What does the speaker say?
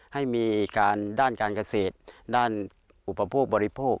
ให้มีการด้านการเกษตรด้านอุปโภคบริโภค